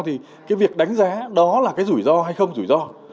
thì cái việc đánh giá đó là cái rủi ro hay không rủi ro